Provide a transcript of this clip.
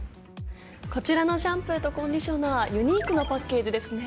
こちらのシャンプーとコンディショナーユニークなパッケージですね。